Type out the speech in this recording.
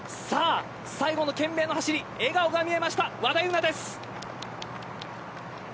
最後の懸命の走り笑顔が見えました和田です。